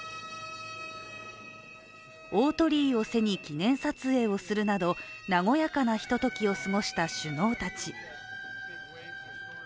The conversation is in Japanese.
大鳥居を背に記念撮影をするなど和やかなひとときを過ごした首脳たち。